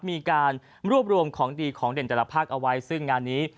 มีการรวบรวมของดีของเด่นแต่ละภาคเอาไว้ซึ่งงานนี้